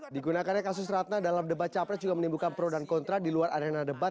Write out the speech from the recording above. digunakannya kasus ratna dalam debat capres juga menimbulkan pro dan kontra di luar arena debat